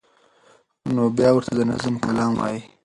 نو بیا ورته د نظم کلام وایی